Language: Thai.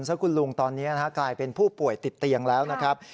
ซึ่งคุณลุงตอนนี้กลายเป็นผู้ป่วยติดเตียงแล้วนะครับ